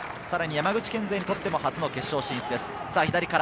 さらに山口県勢にとっても初の決勝進出です。